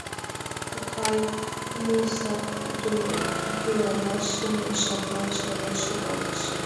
— Кокай, — кумылзак ӱдырамашым жаплан чарен шогалтышым.